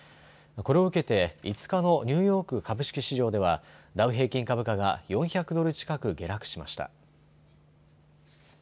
これを受けて５日のニューヨーク株式市場では、ダウ平均株価が４００ドル近く下落しました。